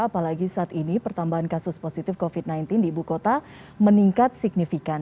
apalagi saat ini pertambahan kasus positif covid sembilan belas di ibu kota meningkat signifikan